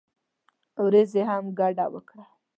ورځې هم ګډه وکړه.